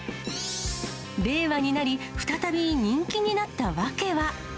令和になり、再び人気になった訳は。